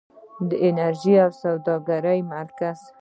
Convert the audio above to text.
د انرژۍ او سوداګرۍ مرکز.